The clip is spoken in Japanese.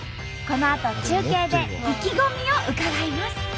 このあと中継で意気込みを伺います。